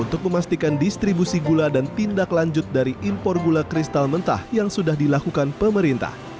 untuk memastikan distribusi gula dan tindak lanjut dari impor gula kristal mentah yang sudah dilakukan pemerintah